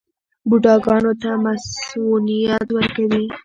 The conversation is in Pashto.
بوډاګانو ته مصوونیت ورکوي.